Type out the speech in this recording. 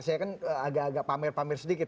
saya kan agak agak pamer pamer sedikit